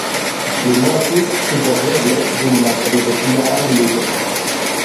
Li mortis supozeble dum la tridekjara milito.